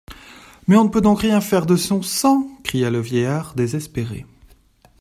Mais on ne peut donc rien faire de son sang ? cria le vieillard désespéré.